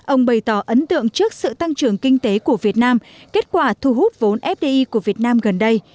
ông bày tỏ ấn tượng trước sự tăng trưởng kinh tế của việt nam kết quả thu hút vốn fdi của việt nam gần đây